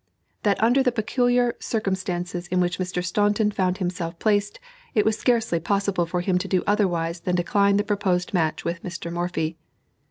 That under the peculiar circumstances in which Mr. Staunton found himself placed, it was scarcely possible for him to do otherwise than decline the proposed match with Mr. Morphy.